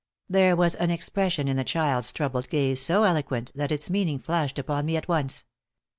There was an expression in the child's troubled gaze so eloquent that its meaning flashed upon me at once.